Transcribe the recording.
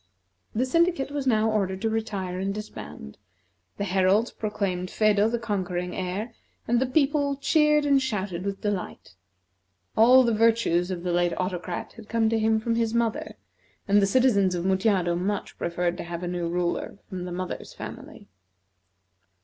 The syndicate was now ordered to retire and disband; the heralds proclaimed Phedo the conquering heir, and the people cheered and shouted with delight. All the virtues of the late Autocrat had come to him from his mother, and the citizens of Mutjado much preferred to have a new ruler from the mother's family.